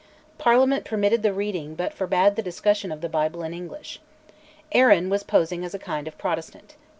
Parliament permitted the reading but forbade the discussion of the Bible in English. Arran was posing as a kind of Protestant.